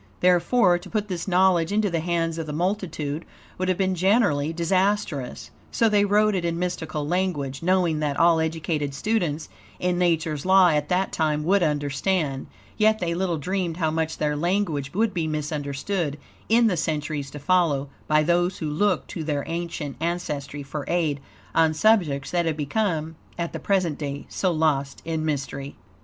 Therefore, to put this knowledge into the hands of the multitude would have been generally disastrous. So they wrote it in mystical language, knowing that all educated students in Nature's laws, at that time, would understand; yet they little dreamed how much their language would be misunderstood in the centuries to follow, by those who look to their ancient ancestry for aid on subjects that have become at the present day so lost in mystery.